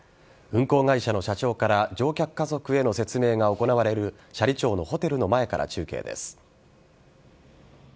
運航会社の社長から乗客家族への説明が行われる斜里町のホテルの前から中継です。